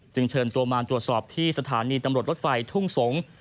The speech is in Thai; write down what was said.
เชิญตัวมาตรวจสอบที่สถานีตำรวจรถไฟทุ่งสงศ์